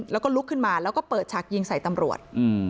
แล้วก็ลุกขึ้นมาแล้วก็เปิดฉากยิงใส่ตำรวจ